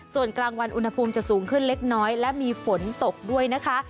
ส่วนกลางวันอุณหภูมิจะสูงขึ้นเล็กน้อยและมีฝนตกด้วยนะคะ